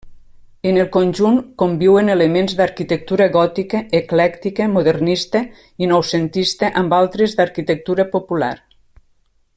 En el conjunt conviuen elements d'arquitectura gòtica, eclèctica, modernista i noucentista amb altres d'arquitectura popular.